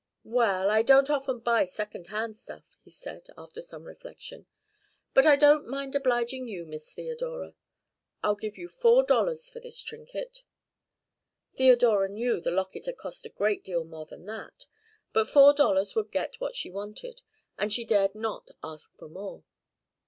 "Well, I don't often buy second hand stuff," he said, after some reflection, "but I don't mind obliging you, Miss Theodora. I'll give you four dollars for this trinket." Theodora knew the locket had cost a great deal more than that, but four dollars would get what she wanted, and she dared not ask for more.